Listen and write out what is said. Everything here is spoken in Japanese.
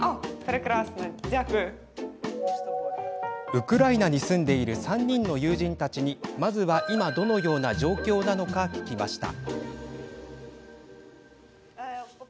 ウクライナに住んでいる３人の友人たちにまずは、今どのような状況なのか聞きました。